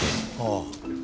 ああ。